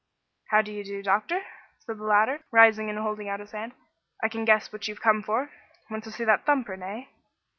"How d'ye do, doctor?" said the latter, rising and holding out his hand. "I can guess what you've come for. Want to see that thumb print, eh?"